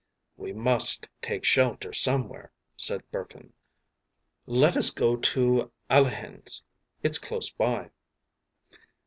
“We must take shelter somewhere,” said Burkin. “Let us go to Alehin’s; it’s close by.